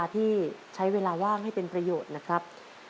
ที่ใช้เวลาว่างให้เป็นประโยชน์นะครับ